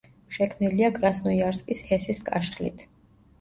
შექმნილია კრასნოიარსკის ჰესის კაშხლით.